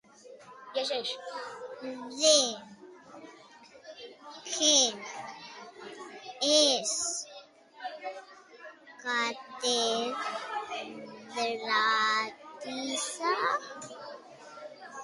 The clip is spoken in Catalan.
De què és catedràtica?